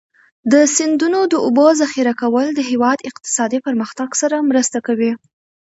د سیندونو د اوبو ذخیره کول د هېواد اقتصادي پرمختګ سره مرسته کوي.